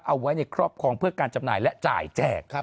เอาไว้ในครอบครองเพื่อการจำหน่ายและจ่ายแจก